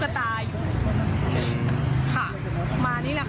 ค่ะมานี่แหละค่ะแล้วหนูว่าเหมือนกับว่าปกติเขาจะไม่ได้โทรเข้าเครื่องออฟฟิต